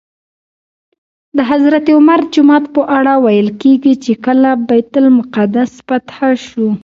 د حضرت عمر جومات په اړه ویل کېږي چې کله بیت المقدس فتح شو.